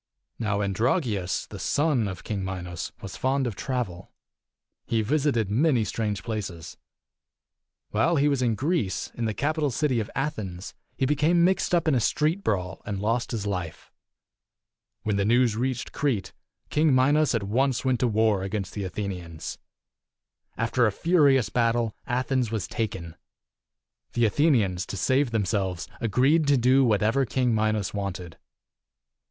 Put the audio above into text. ii. Now Androgeus, the son of King Minos, was fond of travel. He visited many strange places. While he was in Greece, in the capital city of Athens, he became mixed up in a street brawl and lost his life. When the news reached Crete, King Minos at once went to war against the Athenians. After a furious battle, Athens was taken. The Athe nians, to save themselves, agreed to do what ever King Minos wanted.